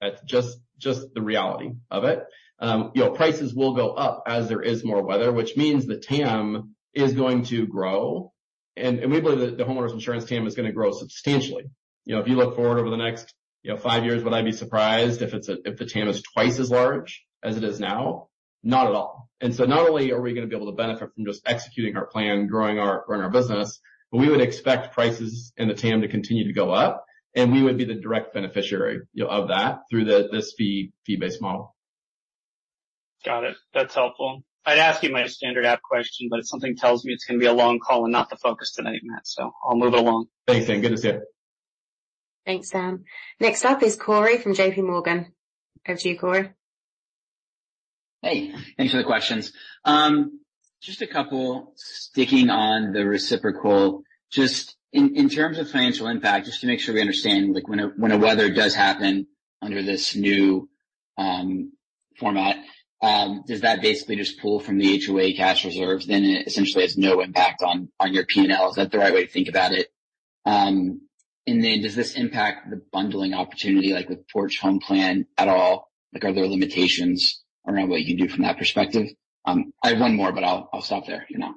Speaker 2: That's just the reality of it. You know, prices will go up as there is more weather, which means the TAM is going to grow. We believe that the homeowners insurance TAM is gonna grow substantially. You know, if you look forward over the next, you know, five years, would I be surprised if it's a-- if the TAM is 2x as large as it is now? Not at all. Not only are we gonna be able to benefit from just executing our plan, growing our business, but we would expect prices in the TAM to continue to go up, and we would be the direct beneficiary, you know, of that through the, this fee-based model.
Speaker 7: Got it. That's helpful. I'd ask you my standard app question, but something tells me it's gonna be a long call and not the focus tonight, Matt, so I'll move along.
Speaker 2: Thanks, Dan. Good to see you.
Speaker 1: Thanks, Sam. Next up is Corey from JP Morgan. Over to you, Corey.
Speaker 8: Hey. Thanks for the questions. Just a couple sticking on the reciprocal. In terms of financial impact, just to make sure we understand, like when a weather does happen under this new format, does that basically just pull from the HOA cash reserves, then it essentially has no impact on your P&L? Is that the right way to think about it? Does this impact the bundling opportunity, like with Porch Home Plan at all? Are there limitations around what you can do from that perspective? I have one more, I'll stop there if you're not.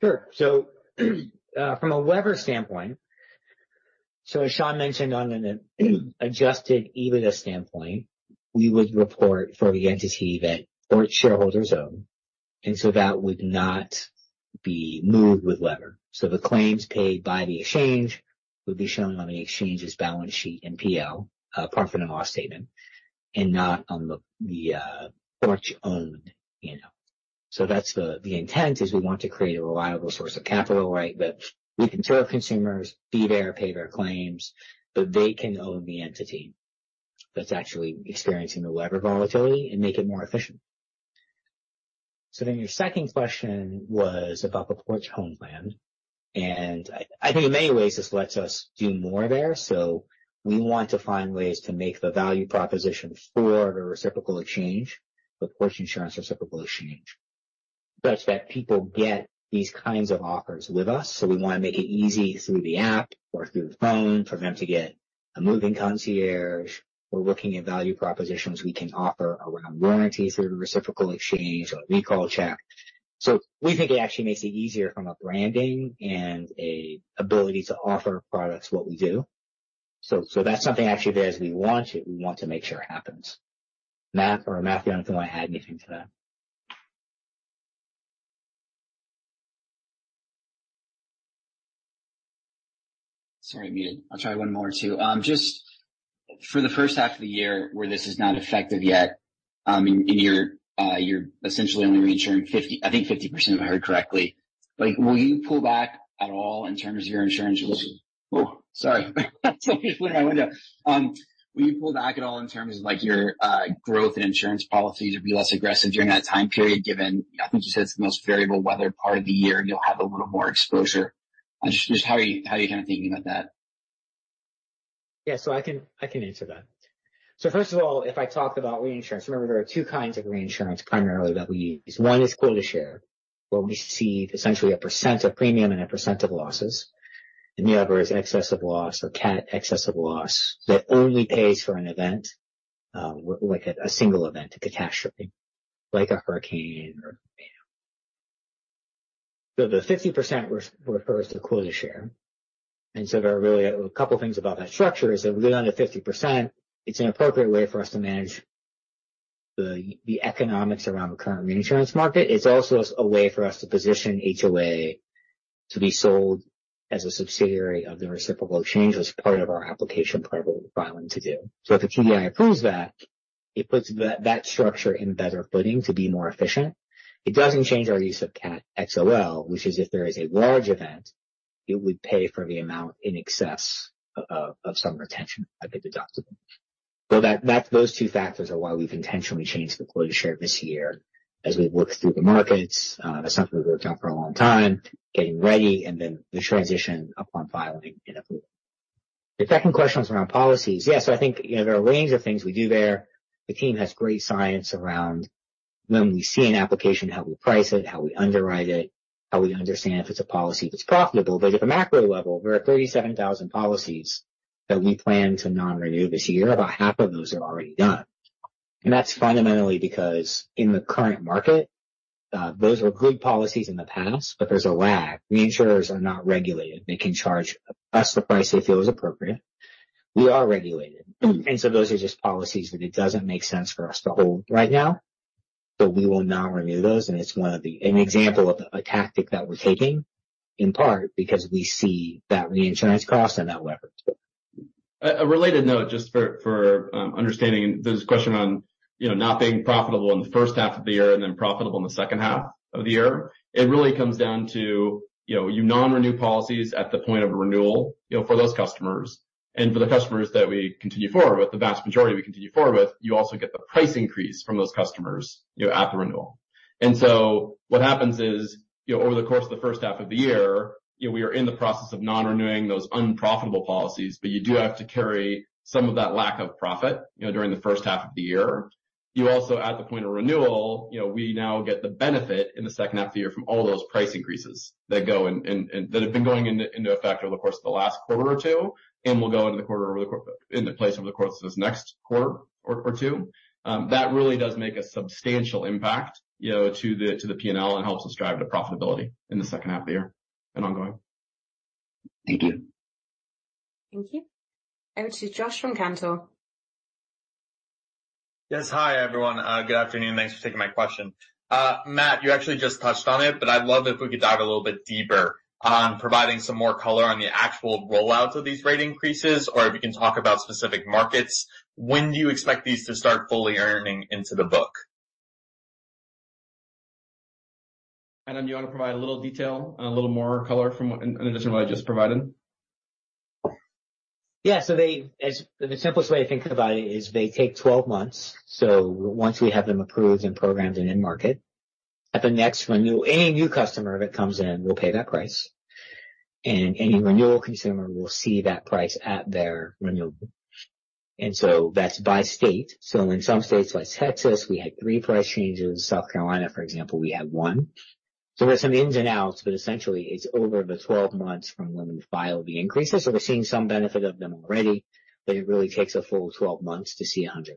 Speaker 3: Sure. From a labor standpoint, as Sean mentioned on an adjusted EBITDA standpoint, we would report for the entity that Porch shareholders own. That would not be moved with labor. The claims paid by the exchange would be shown on the exchange's balance sheet and PL, profit and loss statement, and not on the Porch owned P&L. That's the intent is we want to create a reliable source of capital, right? That we can tell consumers, be there, pay their claims, but they can own the entity that's actually experiencing the labor volatility and make it more efficient. Your second question was about the Porch Home Plan. I think in many ways, this lets us do more there. We want to find ways to make the value proposition for the reciprocal exchange, the Porch Insurance Reciprocal Exchange, such that people get these kinds of offers with us. We wanna make it easy through the app or through the phone for them to get a moving concierge. We're looking at value propositions we can offer around warranties through the reciprocal exchange or a recall check. We think it actually makes it easier from a branding and a ability to offer products what we do. That's something actually there, as we launch it, we want to make sure happens. Matt or Matthew, anything you wanna add anything to that?
Speaker 8: Sorry, I muted. I'll try one more too. Just for the first half of the year where this is not effective yet, and you're essentially only reinsuring 50-- I think 50% if I heard correctly. Like, will you pull back at all in terms of your insurance Oh, sorry. Somebody just opened my window. Will you pull back at all in terms of, like, your, growth and insurance policy to be less aggressive during that time period, given I think you said it's the most variable weather part of the year, and you'll have a little more exposure? Just how are you kinda thinking about that?
Speaker 3: I can answer that. First of all, if I talk about reinsurance, remember there are two kinds of reinsurance primarily that we use. One is quota share, where we receive essentially a % of premium and a % of losses, and the other is excessive loss or CAT excessive loss that only pays for an event, like a single event, a catastrophe, like a hurricane. The 50% refers to quota share. There are really a couple things about that structure is that we're down to 50%. It's an appropriate way for us to manage the economics around the current reinsurance market. It's also a way for us to position HOA to be sold as a subsidiary of the Reciprocal Exchange as part of our application for our filing to do. If the TDI approves that, it puts that structure in better footing to be more efficient. It doesn't change our use of catastrophe XoL, which is if there is a large event, it would pay for the amount in excess of some retention of the deductible. That's those two factors are why we've intentionally changed the quota share this year as we've worked through the markets. That's something we've worked on for a long time, getting ready and then the transition upon filing and approval. The second question was around policies. Yeah, I think, you know, there are a range of things we do there. The team has great science around when we see an application, how we price it, how we underwrite it, how we understand if it's a policy that's profitable. At the macro level, there are 37,000 policies that we plan to non-renew this year. About half of those are already done. That's fundamentally because in the current market, those were good policies in the past, but there's a lag. Reinsurers are not regulated. They can charge us the price they feel is appropriate. We are regulated, those are just policies that it doesn't make sense for us to hold right now, so we will non-renew those, and it's an example of a tactic that we're taking, in part because we see that reinsurance cost and that leverage.
Speaker 2: A related note, just for understanding. There's a question on, you know, not being profitable in the first half of the year and then profitable in the second half of the year. It really comes down to, you know, you non-renew policies at the point of renewal, you know, for those customers. For the customers that we continue forward with, the vast majority we continue forward with, you also get the price increase from those customers, you know, at the renewal. What happens is, you know, over the course of the first half of the year, you know, we are in the process of non-renewing those unprofitable policies, but you do have to carry some of that lack of profit, you know, during the first half of the year. You also, at the point of renewal, you know, we now get the benefit in the second half of the year from all those price increases that have been going into effect over the course of the last quarter or two and will go into the quarter in the place over the course of this next quarter or two. That really does make a substantial impact, you know, to the, to the P&L and helps us drive to profitability in the second half of the year and ongoing.
Speaker 8: Thank you.
Speaker 1: Thank you. Over to Josh from Cantor.
Speaker 9: Yes. Hi, everyone. Good afternoon. Thanks for taking my question. Matt, you actually just touched on it, I'd love if we could dive a little bit deeper on providing some more color on the actual rollouts of these rate increases, or if you can talk about specific markets. When do you expect these to start fully earning into the book?
Speaker 2: Adam, do you wanna provide a little detail and a little more color in addition to what I just provided?
Speaker 3: Yeah. The simplest way to think about it is they take 12 months. Once we have them approved and programmed and in market, at the next renew, any new customer that comes in will pay that price, and any renewal consumer will see that price at their renewal. That's by state. In some states like Texas, we had 3 price changes. South Carolina, for example, we had one. There are some ins and outs, but essentially, it's over the 12 months from when we file the increases. We're seeing some benefit of them already, but it really takes a full 12 months to see 100%.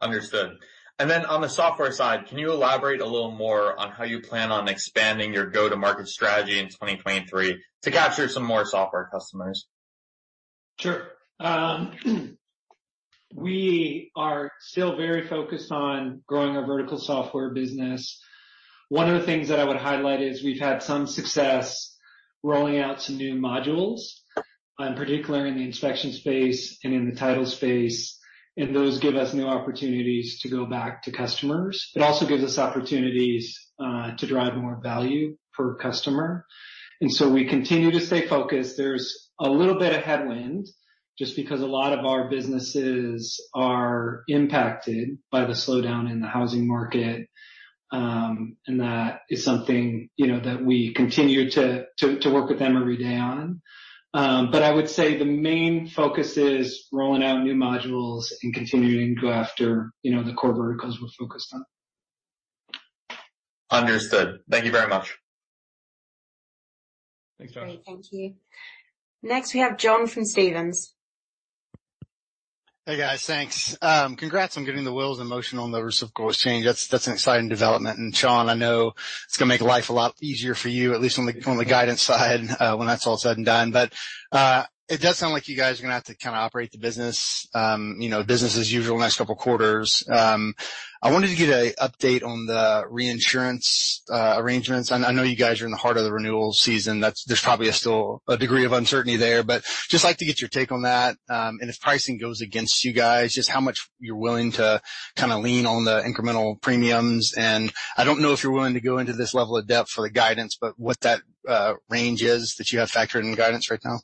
Speaker 9: Understood. On the software side, can you elaborate a little more on how you plan on expanding your go-to-market strategy in 2023 to capture some more software customers?
Speaker 5: Sure. We are still very focused on growing our vertical software business. One of the things that I would highlight is we've had some success rolling out some new modules, particularly in the inspection space and in the title space, and those give us new opportunities to go back to customers. It also gives us opportunities to drive more value per customer. We continue to stay focused. There's a little bit of headwind just because a lot of our businesses are impacted by the slowdown in the housing market, and that is something, you know, that we continue to work with them every day on. I would say the main focus is rolling out new modules and continuing to go after, you know, the core verticals we're focused on.
Speaker 9: Understood. Thank you very much.
Speaker 2: Thanks, Josh.
Speaker 1: Great. Thank you. Next, we have John from Stephens.
Speaker 10: Hey, guys. Thanks. Congrats on getting the Wills in motion on the Reciprocal Exchange. That's an exciting development. Sean, I know it's gonna make life a lot easier for you, at least on the, on the guidance side, when that's all said and done. It does sound like you guys are gonna have to kinda operate the business, you know, business as usual next couple quarters. I wanted to get a update on the reinsurance arrangements. I know you guys are in the heart of the renewal season. There's probably a still degree of uncertainty there, but just like to get your take on that. If pricing goes against you guys, just how much you're willing to kinda lean on the incremental premiums. I don't know if you're willing to go into this level of depth for the guidance, but what that range is that you have factored in guidance right now.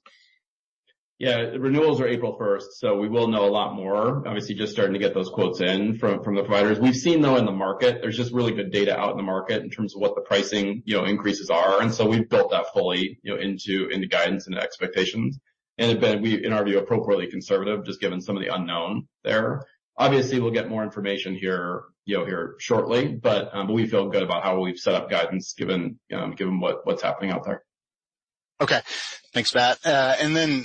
Speaker 2: The renewals are April first. We will know a lot more. Obviously, just starting to get those quotes in from the providers. We've seen, though, in the market, there's just really good data out in the market in terms of what the pricing, you know, increases are. We've built that fully, you know, into guidance and expectations. Have been, we, in our view, appropriately conservative, just given some of the unknown there. Obviously, we'll get more information here, you know, here shortly. We feel good about how we've set up guidance given what's happening out there.
Speaker 10: Okay. Thanks, Matt.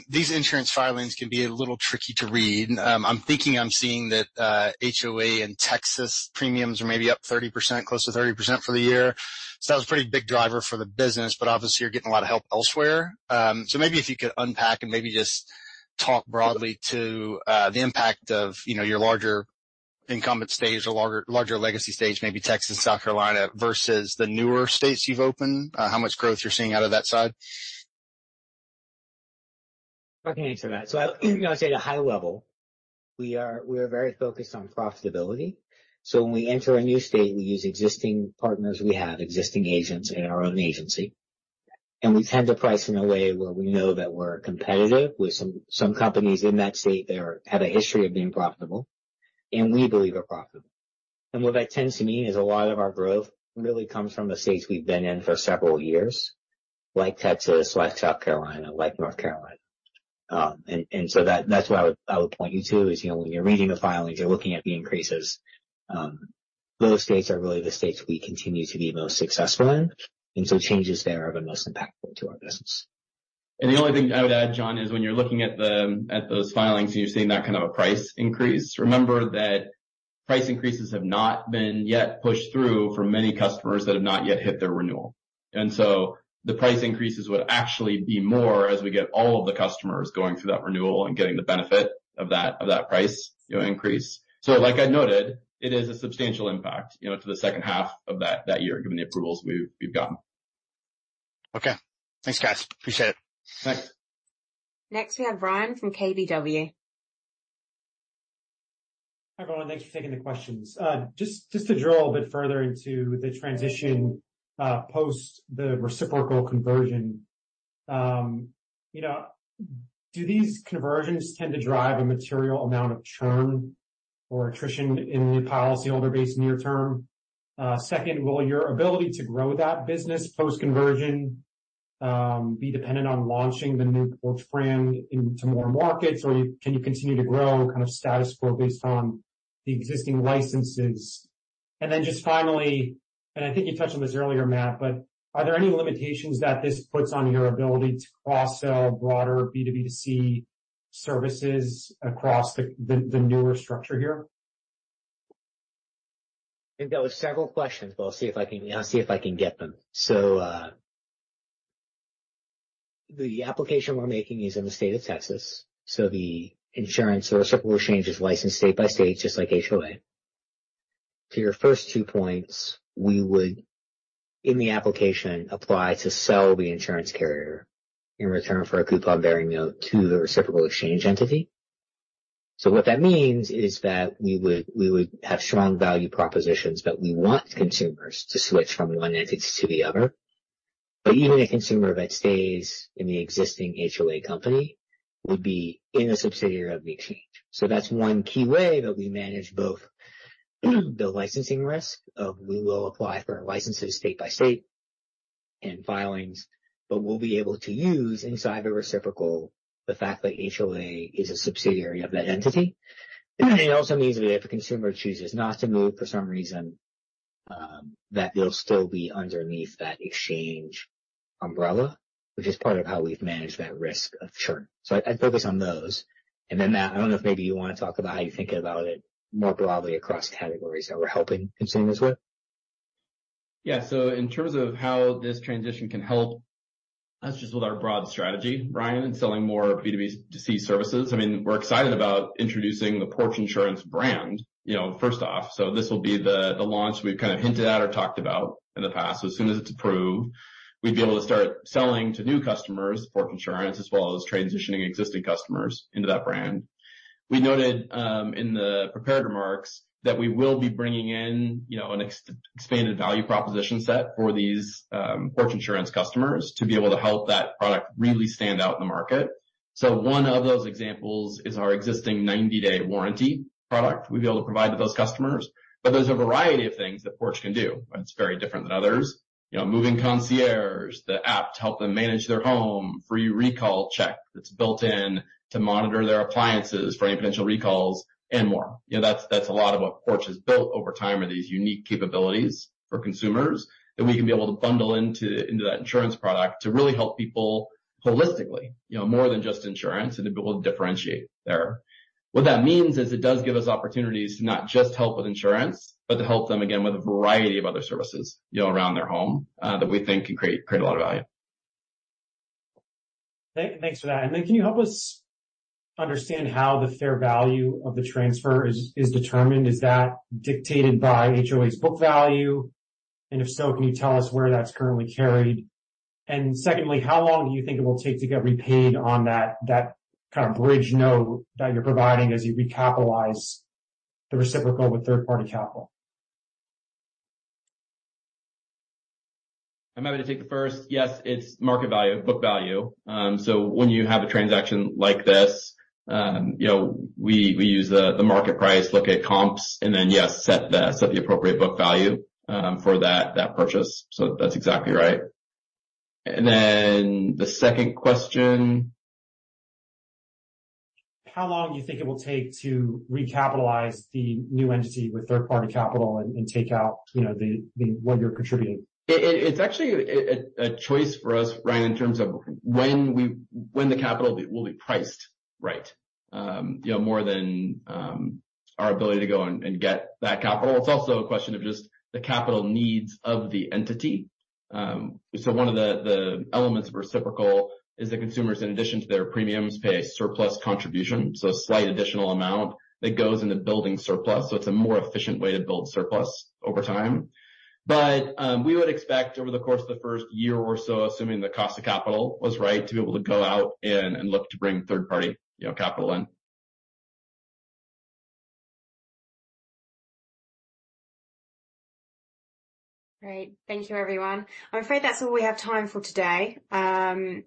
Speaker 10: These insurance filings can be a little tricky to read. I'm thinking I'm seeing that, HOA in Texas premiums are maybe up 30%, close to 30% for the year. That was a pretty big driver for the business, but obviously you're getting a lot of help elsewhere. Maybe if you could unpack and maybe just talk broadly to, the impact of, you know, your larger incumbent states or larger legacy states, maybe Texas, South Carolina, versus the newer states you've opened, how much growth you're seeing out of that side.
Speaker 3: I can answer that. I'll say at a high level, we are very focused on profitability. When we enter a new state, we use existing partners we have, existing agents in our own agency. We tend to price in a way where we know that we're competitive with some companies in that state that have a history of being profitable, and we believe are profitable. What that tends to mean is a lot of our growth really comes from the states we've been in for several years, like Texas, like South Carolina, like North Carolina. That's what I would point you to is, you know, when you're reading the filings, you're looking at the increases, those states are really the states we continue to be most successful in. Changes there have been most impactful to our business.
Speaker 2: The only thing I would add, John, is when you're looking at those filings and you're seeing that kind of a price increase, remember that price increases have not been yet pushed through for many customers that have not yet hit their renewal. The price increases would actually be more as we get all of the customers going through that renewal and getting the benefit of that price, you know, increase. Like I noted, it is a substantial impact, you know, to the second half of that year, given the approvals we've gotten.
Speaker 10: Okay. Thanks, guys. Appreciate it.
Speaker 3: Thanks.
Speaker 1: Next, we have Ryan from KBW.
Speaker 11: Hi, everyone. Thanks for taking the questions. Just to drill a bit further into the transition, post the reciprocal conversion. You know, do these conversions tend to drive a material amount of churn or attrition in the policyholder base near-term? Second, will your ability to grow that business post-conversion, be dependent on launching the new Porch brand into more markets? Can you continue to grow kind of status quo based on the existing licenses? Just finally, I think you touched on this earlier, Matt, are there any limitations that this puts on your ability to cross-sell broader B2B2C services across the newer structure here?
Speaker 3: I think that was several questions, but I'll see if I can, I'll see if I can get them. The application we're making is in the state of Texas, so the insurance or reciprocal exchange is licensed state by state, just like HOA. To your first two points, we would, in the application, apply to sell the insurance carrier in return for a coupon-bearing note to the reciprocal exchange entity. What that means is that we would have strong value propositions that we want consumers to switch from one entity to the other. Even a consumer that stays in the existing HOA company would be in a subsidiary of the exchange. That's one key way that we manage both the licensing risk of we will apply for licenses state by state and filings, but we'll be able to use inside the reciprocal the fact that HOA is a subsidiary of that entity. It also means that if a consumer chooses not to move for some reason, that they'll still be underneath that exchange umbrella, which is part of how we've managed that risk of churn. I'd focus on those. Matt, I don't know if maybe you wanna talk about how you think about it more broadly across categories that we're helping consumers with.
Speaker 2: Yeah. In terms of how this transition can help us just with our broad strategy, Ryan, in selling more B2B2C services, I mean, we're excited about introducing the Porch Insurance brand, you know, first off. This will be the launch we've kind of hinted at or talked about in the past. As soon as it's approved, we'd be able to start selling to new customers, Porch Insurance, as well as transitioning existing customers into that brand. We noted in the prepared remarks that we will be bringing in, you know, an expanded value proposition set for these Porch Insurance customers to be able to help that product really stand out in the market. One of those examples is our existing 90-day warranty product we'll be able to provide to those customers. There's a variety of things that Porch can do, and it's very different than others. You know, moving concierge, the app to help them manage their home, free recall check that's built in to monitor their appliances for any potential recalls, and more. You know, that's a lot of what Porch has built over time, are these unique capabilities for consumers that we can be able to bundle into that insurance product to really help people holistically, you know, more than just insurance, and to be able to differentiate there. What that means is it does give us opportunities to not just help with insurance, but to help them again, with a variety of other services, you know, around their home, that we think can create a lot of value.
Speaker 11: Thanks for that. Then can you help us understand how the fair value of the transfer is determined? Is that dictated by HOA's book value? If so, can you tell us where that's currently carried? Secondly, how long do you think it will take to get repaid on that kind of bridge note that you're providing as you recapitalize the reciprocal with third-party capital?
Speaker 2: I'm happy to take the first. Yes, it's market value, book value. When you have a transaction like this, you know, we use the market price, look at comps, and then, yes, set the, set the appropriate book value, for that purchase. That's exactly right. The second question...
Speaker 11: How long do you think it will take to recapitalize the new entity with third-party capital and take out, you know, what you're contributing?
Speaker 2: It's actually a choice for us, Ryan, in terms of when the capital will be priced right, you know, more than our ability to go and get that capital. It's also a question of just the capital needs of the entity. One of the elements of reciprocal is the consumers, in addition to their premiums, pay a surplus contribution, so a slight additional amount that goes into building surplus. It's a more efficient way to build surplus over time. We would expect over the course of the first year or so, assuming the cost of capital was right, to be able to go out and look to bring third-party, you know, capital in.
Speaker 1: Great. Thank you, everyone. I'm afraid that's all we have time for today. Thank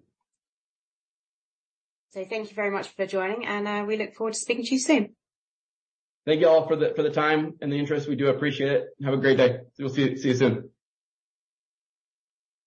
Speaker 1: you very much for joining, and we look forward to speaking to you soon.
Speaker 2: Thank you all for the, for the time and the interest. We do appreciate it. Have a great day. We'll see you, see you soon.